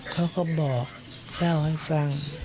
เขาก็บอกเล่าให้ฟัง